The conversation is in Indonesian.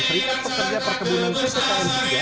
seribu pekerja perkebunan sekitar tiga